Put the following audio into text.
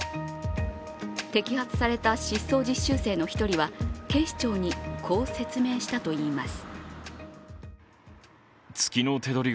摘発された失踪実習生の１人は警視庁にこう説明したといいます。